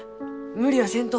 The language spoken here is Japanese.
無理はせんと。